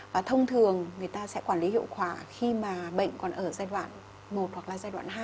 và thông thường người ta sẽ quản lý hiệu quả khi mà bệnh còn ở giai đoạn một hoặc là giai đoạn hai